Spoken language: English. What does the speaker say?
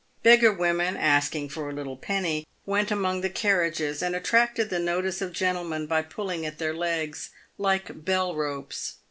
Beggar women, asking for a little penny, went among the carriages, and attracted the notice of gentlemen by pulling at their legs like bell ropes.